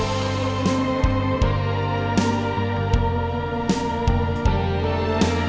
sampai jumpa lagi